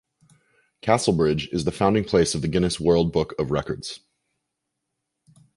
Castlebridge is the founding place of the Guinness World Book of Records.